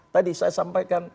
tadi saya sampaikan